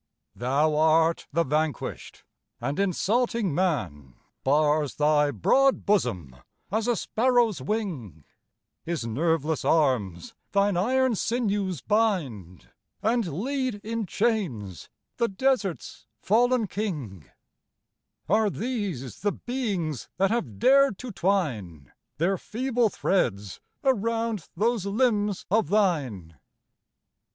Thou art the vanquished, and insulting man Bars thy broad bosom as a sparrow's wing; His nerveless arms thine iron sinews bind, And lead in chains the desert's fallen king; Are these the beings that have dared to twine Their feeble threads around those limbs of thine?